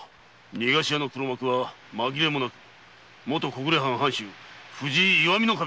「逃がし屋」の黒幕は紛れもなくもと小暮藩の藩主・藤井岩見守だ。